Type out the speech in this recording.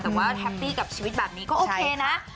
แต่ว่าแฮปปี้กับชีวิตแบบนี้ก็โอเคนะ